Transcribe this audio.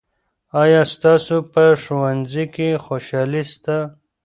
آیا ستاسو په ښوونځي کې خوشالي سته؟